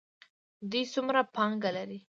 دوی څومره پانګه لري؟